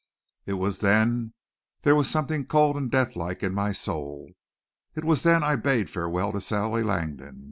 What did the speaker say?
It was then there was something cold and deathlike in my soul; it was then I bade farewell to Sally Langdon.